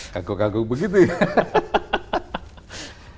kaku kaku begitu ya